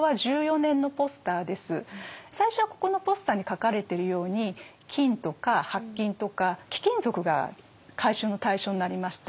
最初はここのポスターに書かれてるように金とか白金とか貴金属が回収の対象になりました。